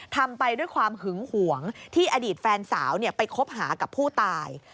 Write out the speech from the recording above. ทำไปด้วยความหึงหวงที่อดีตแฟนสาวไปคบหากับผู้ตาย